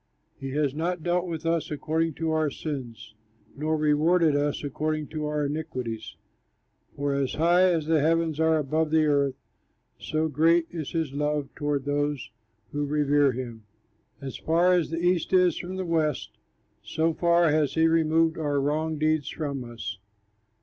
He has not dealt with us according to our sins, Nor rewarded us according to our iniquities. For as high as the heavens are above the earth, So great is his love toward those who revere him. As far as the east is from the west, So far has he removed our wrong deeds from us.